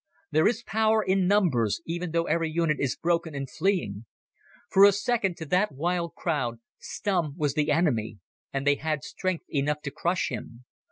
There is power in numbers, even though every unit is broken and fleeing. For a second to that wild crowd Stumm was the enemy, and they had strength enough to crush him.